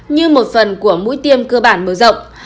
như một phần của mũi tiêm cơ bản mở rộng